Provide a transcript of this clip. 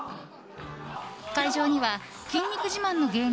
会場には筋肉自慢の芸人